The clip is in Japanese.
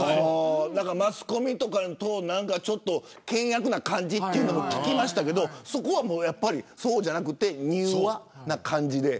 マスコミと険悪な感じと聞きましたけどそうじゃなくて柔和な感じで。